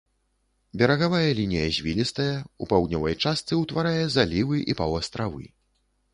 Берагавая лінія звілістая, у паўднёвай частцы ўтварае залівы і паўастравы.